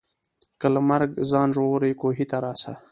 که له مرګه ځان ژغورې کوهي ته راسه